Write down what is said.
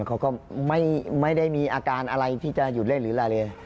เขาก็ไม่ได้มีอาการอะไรที่จะหยุดเล่นหรืออะไรเลย